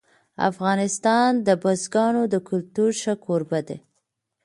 افغانستان د بزګانو د کلتور ښه کوربه دی.